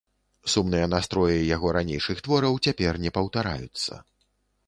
Сумныя настроі яго ранейшых твораў цяпер не паўтараюцца.